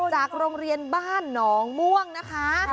จากโรงเรียนบ้านหนองม่วงนะคะ